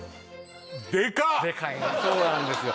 そうなんですよ